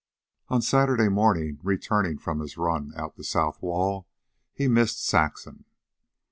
On Saturday morning, returning from his run out the south wall, he missed Saxon.